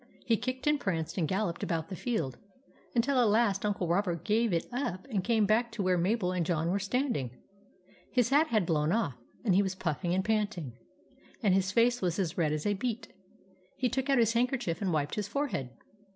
He kicked and pranced and galloped about the field, until at last Uncle Robert gave it up and came back to where Mabel and John were standing. His hat had blown off, and he was puffing and panting, and his face was as red as a beet. He took out his handkerchief and wiped his forehead.